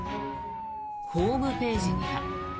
ホームページには。